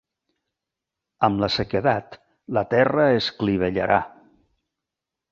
Amb la sequedat la terra es clivellarà.